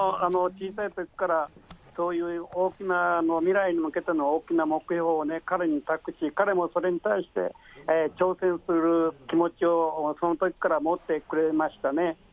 小さいときから、そういう大きな、未来に向けての大きな目標を、彼に託し、彼もそれに対して、挑戦する気持ちをそのときから持ってくれましたね。